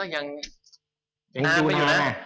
ยังนานไปอยู่นะ